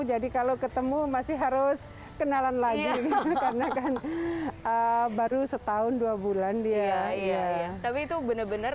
jadi kalau ketemu masih harus kenalan lagi karena kan baru setahun dua bulan dia iya tapi itu bener bener